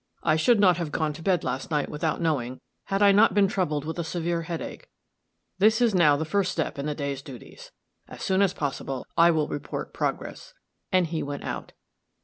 I should not have gone to bed last night without knowing, had I not been troubled with a severe headache. This is now the first step in the day's duties. As soon as possible I will report progress;" and he went out.